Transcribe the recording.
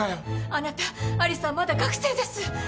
あなた有沙はまだ学生です。